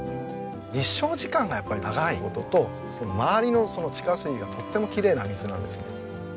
日照時間がやっぱり長い事と周りの地下水がとってもきれいな水なんですね。